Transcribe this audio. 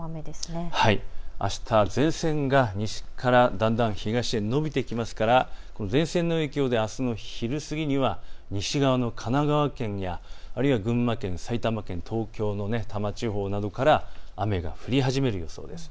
あした、前線が西からだんだん東へ延びてきますから前線の影響であすの昼過ぎには西側の神奈川県や群馬県、埼玉県、東京の多摩地方などから雨が降り始める予想です。